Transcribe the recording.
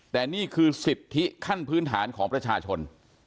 แต่นี่คือสิทธิขั้นพื้นฐานของประชาชน